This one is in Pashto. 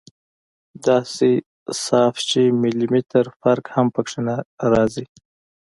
داسې صاف چې ملي مټر فرق هم پکښې نه رځي.